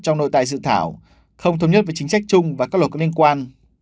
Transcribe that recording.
trong nội tại dự thảo không thống nhất với chính sách chung và các luật có liên quan